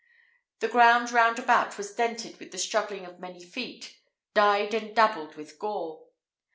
The ground round about was dented with the struggling of many feet, died and dabbled with gore.